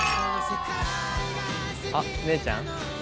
あっ姉ちゃん。